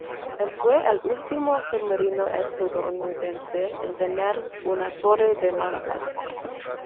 El fue el último submarino estadounidense en tener una torre de mando.